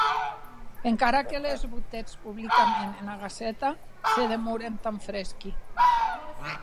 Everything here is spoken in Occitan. Encara que les botetz publicament ena Gaceta, se demoren tan fresqui.